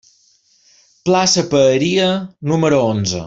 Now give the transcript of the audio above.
Plaça Paeria, número onze.